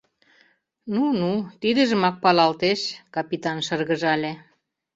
— Ну-ну, тидыжымак палалтеш... — капитан шыргыжале.